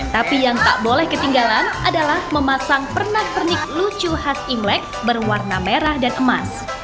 tapi yang tak boleh ketinggalan adalah memasang pernak pernik lucu khas imlek berwarna merah dan emas